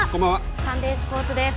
サンデースポーツです。